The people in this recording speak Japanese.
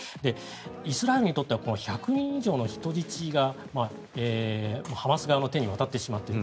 イスラエルにとっては１００人以上の人質がハマス側の手に渡ってしまっている。